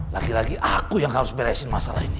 lagi lagi aku yang harus beresin masalah ini